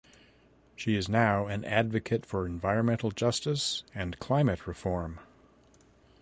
She is now an advocate for environmental justice and climate reform.